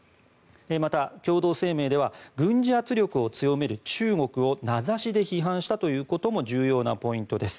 また、共同声明では軍事圧力を強める中国を名指しで批判したということも重要なポイントです。